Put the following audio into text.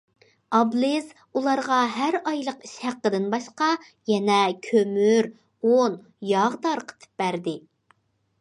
ئابلىز ئۇلارغا ھەر ئايلىق ئىش ھەققىدىن باشقا، يەنە كۆمۈر، ئۇن، ياغ تارقىتىپ بەردى.